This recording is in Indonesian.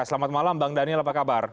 selamat malam bang daniel apa kabar